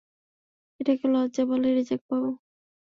এটাকে লজ্জা বলে রেজাক বাবু।